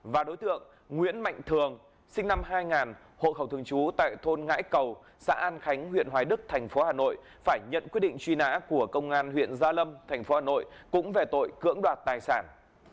và đối tượng nguyễn mạnh thường sinh năm hai nghìn hộ khẩu thường trú tại thôn ngãi cầu xã an khánh huyện hoài đức thành phố hà nội phải nhận quyết định truy nã của công an huyện gia lâm thành phố hà nội cũng về tội cưỡng đoạt tài sản